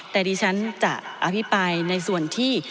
แต่ดิฉันจะอภิปรายในส่วนที่